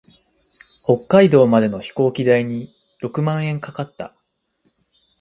北海道までの飛行機代に六万円かかった。